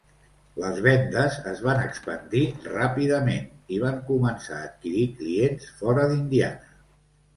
Les vendes es van expandir ràpidament i van començar a adquirir clients fora d'Indiana.